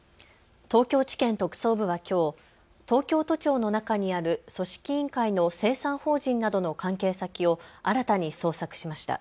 東京地検特捜部はきょう東京都庁の中にある組織委員会の清算法人などの関係先を新たに捜索しました。